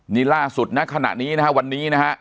นี่ล่าสุดณขณะนี้นะฮะวันนี้นะฮะ